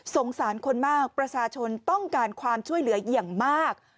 สารคนมากประชาชนต้องการความช่วยเหลืออย่างมาก